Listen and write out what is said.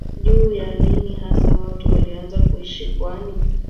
Juu ya lini hasa watu walianza kuishi pwani